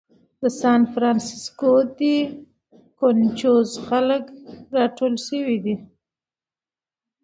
د سان فرانسیسکو دې کونچوز خلک راټول شوي دي.